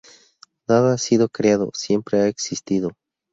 Nada ha sido creado, siempre ha existido.